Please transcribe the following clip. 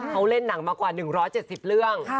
เขาเล่นหนังมากว่า๑๗๐เรื่อง